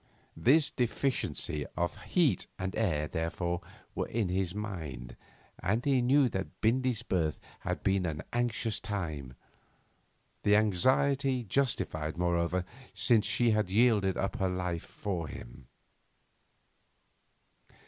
This deficiency of heat and air, therefore, were in her mind. And he knew that Bindy's birth had been an anxious time, the anxiety justified, moreover, since she had yielded up her life for him.